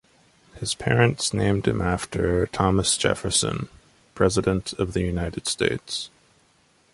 His parents named him after Thomas Jefferson, President of the United States.